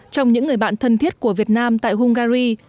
trong những người bạn thân thiết của việt nam tại hungary